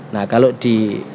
nah kalau di